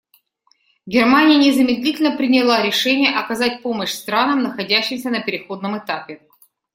Германия незамедлительно приняла решение оказать помощь странам, находящимся на переходном этапе.